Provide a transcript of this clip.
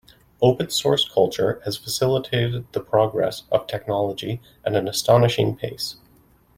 Open source culture has facilitated the progress of technology at an astonishing pace.